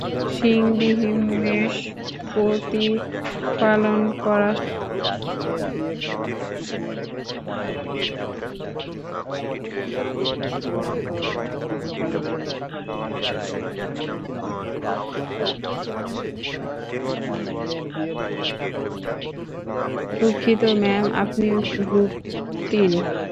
দুঃখিত, ম্যাম, আপনি গ্রুপ তিন।